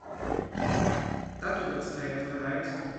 That would explain it all right.